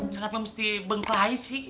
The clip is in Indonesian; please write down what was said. kenapa mesti bengkelai sih